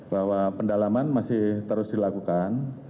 bahwa pendalaman masih terus dilakukan